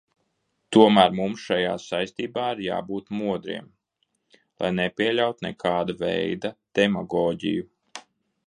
Tomēr mums šajā saistībā ir jābūt modriem, lai nepieļautu nekāda veida demagoģiju.